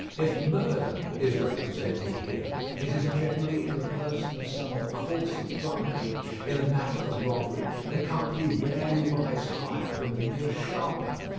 If murder is represented here, it is generally in the person of some coarse drunkard; in the matter of robbery, the company rarely rise higher than the mere sharper.